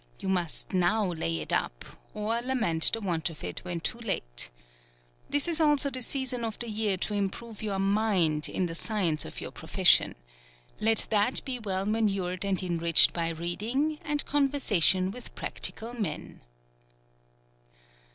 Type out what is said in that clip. You must now lay it up, or lament the want of it when too late. This is also the season of the year to improve your Mind in the science of your profession. Let that be well manur ed and enriched by reading, and conversa tion with practical men.